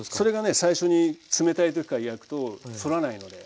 最初に冷たい時から焼くと反らないので。